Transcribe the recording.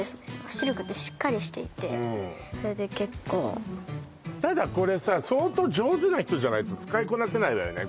シルクってしっかりしていてそれで結構ただこれさ相当上手な人じゃないと使いこなせないわよね